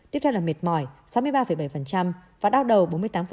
tiếp theo là mệt mỏi và đao đầu